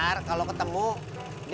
ntar kalau ketemu aku mau nyari dia